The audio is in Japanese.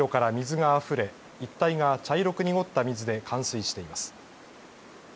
用水路から水があふれ一帯が茶色く濁った水で冠水しています。